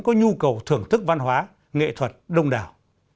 có nhu cầu thưởng thức văn hóa nghệ thuật đông đảo